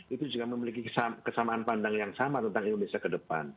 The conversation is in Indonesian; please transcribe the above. itu juga memiliki kesamaan pandang yang sama tentang indonesia ke depan